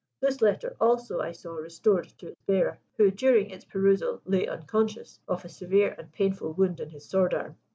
This letter also I saw restored to its bearer, who during its perusal lay unconscious, of a severe and painful wound in his sword arm.